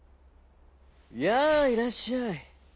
「やあいらっしゃい。